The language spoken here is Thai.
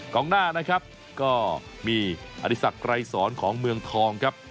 งหน้านะครับก็มีอดีศักดิ์ไกรสอนของเมืองทองครับ